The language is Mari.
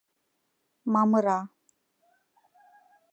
Мамыра.